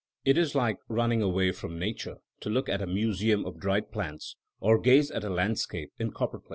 It is like running away from Nature to look at a museum of dried plants, or gaze at a landscape in copper plate.''